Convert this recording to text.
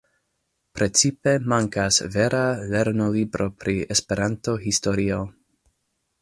Precipe mankas vera lernolibro pri Esperanto-historio.